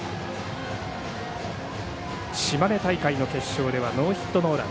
島根大会の決勝ではノーヒットノーラン。